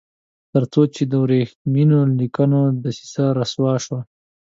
تر څو چې د ورېښمینو لیکونو دسیسه رسوا شوه.